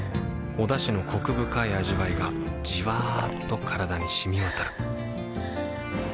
おだしのコク深い味わいがじわっと体に染み渡るはぁ。